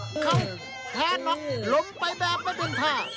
แพ้นกลมไปแบบไม่เป็นท่า